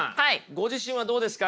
ご自身はどうですか？